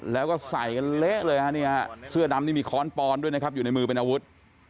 แล้วก็ใส่กันเละเลยฮะเนี่ยเสื้อดำนี่มีค้อนปอนด้วยนะครับอยู่ในมือเป็นอาวุธ